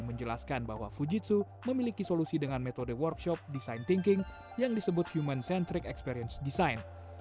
menjelaskan bahwa fujitsu memiliki solusi dengan metode workshop design thinking yang disebut human centric experience design